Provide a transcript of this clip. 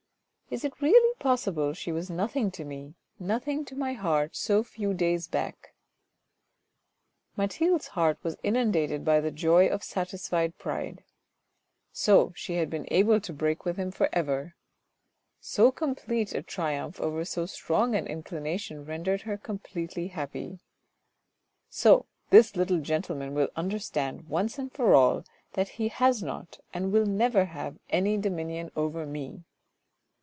" Is it really possible she was nothing to me, nothing to my heart so few days back ?" Mathilde's heart was inundated by the joy of satisfied pride. So she had been able to break with him for ever ! So complete a triumph over so strong an inclination rendered her completely happy. "So this little gentleman will understand, once and for all, that he has not, and will never have, any dominion over me."